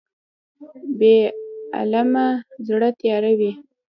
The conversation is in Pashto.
بې علمه زړه تیاره وي.